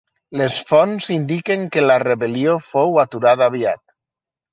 Les fonts indiquen que la rebel·lió fou aturada aviat.